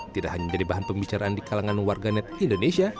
tidak hanya menjadi bahan pembicaraan di kalangan warganet indonesia